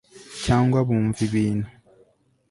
cyangwa bumva ibintu